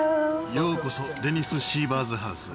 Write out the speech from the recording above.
ようこそデニス・シーバーズ・ハウスへ。